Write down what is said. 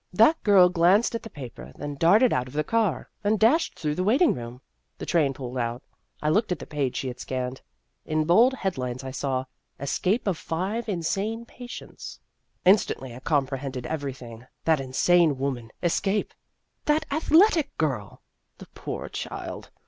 That girl glanced at the paper then darted out of the car, and dashed through the waiting room. The train pulled out. I looked at the page she had scanned. In bold head lines I saw, " Escape of Five Insane Patients." Instantly I comprehended everything that insane woman escape that athletic girl ! The poor child